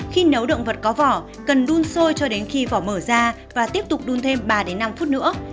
khi nấu động vật có vỏ cần đun sôi cho đến khi vỏ mở ra và tiếp tục đun thêm ba đến năm phút nữa